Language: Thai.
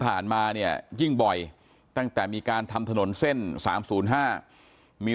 ผ่านมาเนี่ยยิ่งบ่อยตั้งแต่มีการทำถนนเส้นสามศูนย์ห้ามี